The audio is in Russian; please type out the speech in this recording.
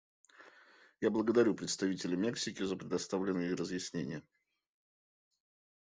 Я благодарю представителя Мексики за представленные разъяснения.